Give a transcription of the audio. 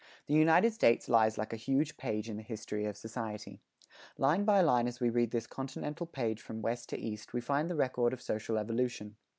The United States lies like a huge page in the history of society. Line by line as we read this continental page from West to East we find the record of social evolution.